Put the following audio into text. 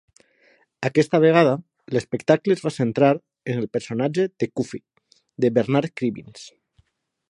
Aquesta vegada, l'espectacle es va centrar en el personatge de Cuffy, de Bernard Cribbins.